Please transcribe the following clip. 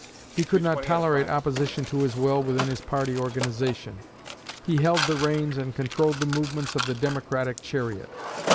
He could not tolerate opposition to his will within his party organization. He held the reins and controlled the movements of the Democratic chariot.